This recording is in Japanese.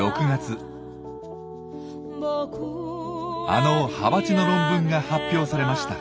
あのハバチの論文が発表されました。